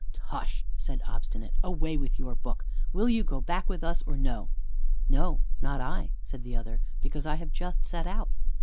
"Tush!" said Obstinate, "away with your book. Will you go back with us or no?" "No, not I," said the other, "because I have just set out."